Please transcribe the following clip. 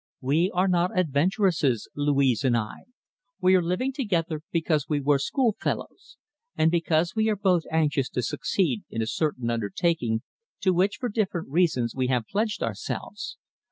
We are not adventuresses, Louise and I. We are living together because we were schoolfellows, and because we are both anxious to succeed in a certain undertaking to which, for different reasons, we have pledged ourselves.